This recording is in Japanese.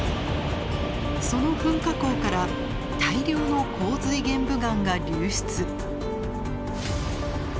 その噴火口から大量の洪水玄武岩が流出。